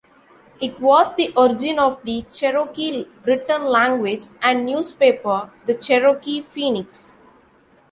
It was the origin of the Cherokee written language and newspaper, the "Cherokee Phoenix".